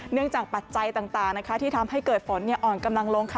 จากปัจจัยต่างที่ทำให้เกิดฝนอ่อนกำลังลง